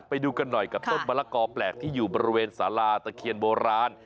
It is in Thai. ไปดูกันหน่อยกับต้นมะละกอแปลกที่อยู่บริเวณสาราตะเคียนโบราณ